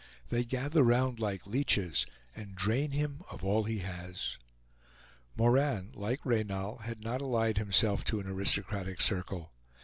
They gather round like leeches, and drain him of all he has. Moran, like Reynal, had not allied himself to an aristocratic circle.